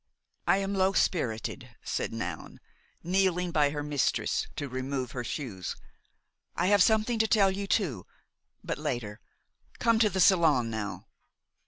"I am low spirited," said Noun, kneeling by her mistress to remove her shoes. "I have something to tell you, too, but later; come to the salon now."